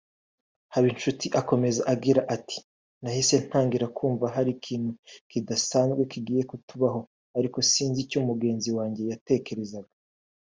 Habinshuti akomeza agira ati “Nahise ntangira kumva hari ikintu kidasanzwe kigiye kutubaho ariko sinzi icyo mugenzi wanjye yatekerezaga